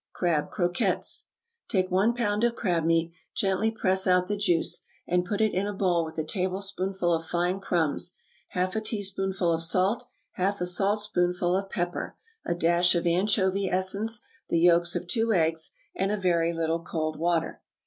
=Crab Croquettes.= Take one pound of crab meat; gently press out the juice, and put it in a bowl with a tablespoonful of fine crumbs, half a teaspoonful of salt, half a saltspoonful of pepper, a dash of anchovy essence, the yolks of two eggs, and a very little cold water.